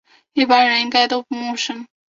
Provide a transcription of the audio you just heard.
一般人应该都不陌生